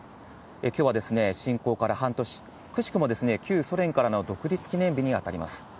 きょうは侵攻から半年、くしくも旧ソ連からの独立記念日に当たります。